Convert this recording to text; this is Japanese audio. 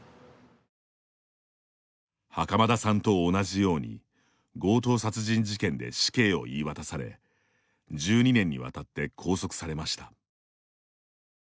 袴田さんと同じように強盗殺人事件で死刑を言い渡され１２年にわたって拘束されました。